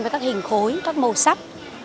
với các hình khối các màu sắc